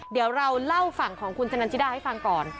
เดี๋ยวเราเล่าฝั่งของคุณชะนันจิดาให้ฟังก่อน